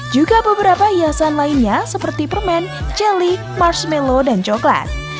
juga beberapa hiasan lainnya seperti permen celly marshmallow dan coklat